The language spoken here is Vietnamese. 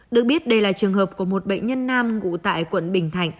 được biết đây là trường hợp của một bệnh nhân nam ngụ tại quận bình thạnh